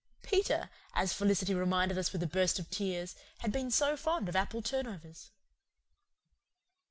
Peter, as Felicity reminded us with a burst of tears, had been so fond of apple turnovers.